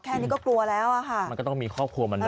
แค่นี้ก็กลัวแล้วอะค่ะมันก็ต้องมีครอบครัวเหมือนเ